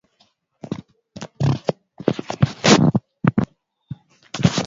Linatokana na Obhwato mtumbwi akauliza nokumanya obhwato yaani Unajua mtumbwi